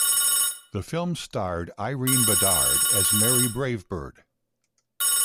The film starred Irene Bedard as Mary Brave Bird.